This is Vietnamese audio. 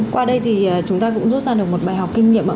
qua đây thì chúng ta cũng rút ra được một bài học kinh nghiệm